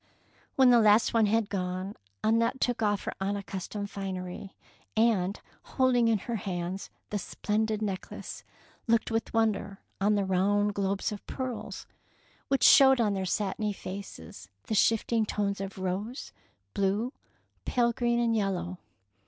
When the last one had gone, Annette took off her unaccustomed finery, and, holding in her hands the splendid neck lace, looked with wonder on the round globes of pearls, which showed on their 185 DEEDS OF DAEING satiny faces the shifting tones of rose, blue, pale green, and yellow.